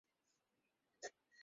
প্রায় চার থেকে ছয় বিলিয়ন হবে।